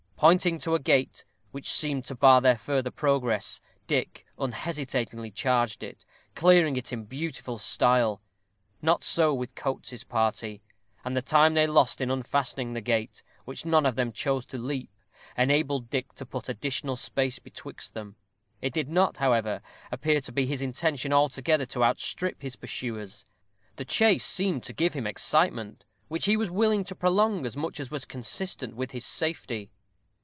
Pointing to a gate which seemed to bar their further progress, Dick unhesitatingly charged it, clearing it in beautiful style. Not so with Coates's party; and the time they lost in unfastening the gate, which none of them chose to leap, enabled Dick to put additional space betwixt them. It did not, however, appear to be his intention altogether to outstrip his pursuers: the chase seemed to give him excitement, which he was willing to prolong as much as was consistent with his safety.